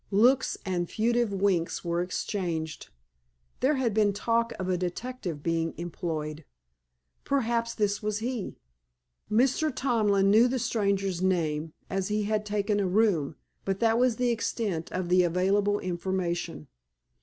Looks and furtive winks were exchanged. There had been talk of a detective being employed. Perhaps this was he. Mr. Tomlin knew the stranger's name, as he had taken a room, but that was the extent of the available information.